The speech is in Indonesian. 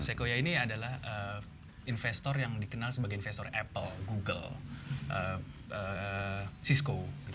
sekoya ini adalah investor yang dikenal sebagai investor apple google cisco